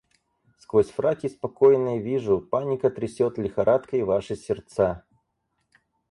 Сквозь фраки спокойные вижу — паника трясет лихорадкой ваши сердца.